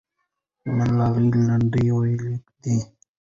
ملالۍ لنډۍ ویلې دي.